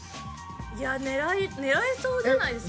いや狙えそうじゃないですか？